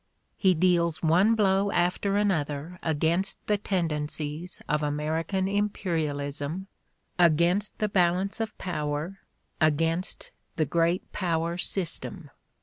He deals one blow after another against the tendencies of American imperialism, against the Balance of Power, against the Great Power system.